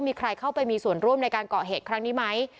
มีใครเข้าไปมีส่วนร่วมในการก่อเหตุครั้งนี้ไหม